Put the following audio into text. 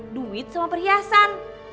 duit sama perhiasan